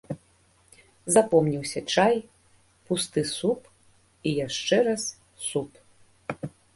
Запомніўся чай, пусты суп і яшчэ раз суп.